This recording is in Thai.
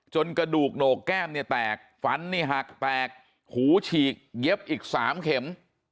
กระดูกโหนกแก้มเนี่ยแตกฝันนี่หักแตกหูฉีกเย็บอีก๓เข็ม